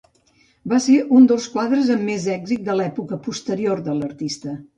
Va ser un dels quadres amb més d'èxit de l'època posterior de l'artista.